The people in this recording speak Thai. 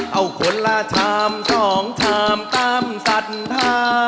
เอามะนามำไล่จริงนะ